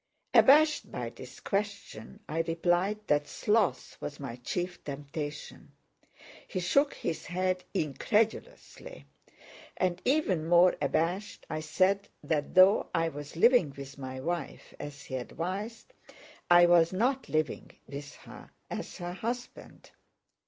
Abashed by this question, I replied that sloth was my chief temptation. He shook his head incredulously; and even more abashed, I said that though I was living with my wife as he advised, I was not living with her as her husband.